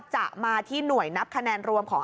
จะมาที่หน่วยนับคะแนนรวมของ